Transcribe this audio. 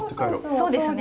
そうですね。